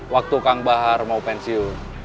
waktu kang bahar mau pensiun